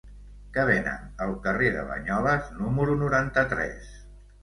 Què venen al carrer de Banyoles número noranta-tres?